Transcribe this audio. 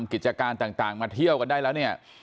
กิจการต่างมาเที่ยวกันได้แล้วเนี่ย